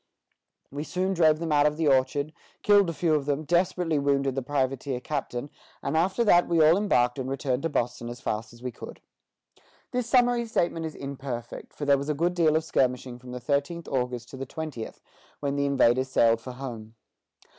We soon drove them out of the orchard, killed a few of them, desperately wounded the privateer captain, and after that we all embarked and returned to Boston as fast as we could." This summary statement is imperfect, for there was a good deal of skirmishing from the thirteenth August to the twentieth, when the invaders sailed for home.